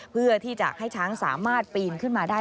เพื่อที่จะให้ช้างสามารถปีนขึ้นมาได้